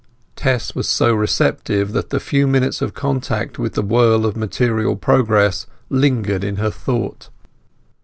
Tess was so receptive that the few minutes of contact with the whirl of material progress lingered in her thought.